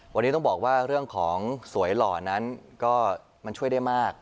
วันนี้ต้องบอกว่าเรื่องของสวยหล่อนั้นก็มันช่วยได้มาก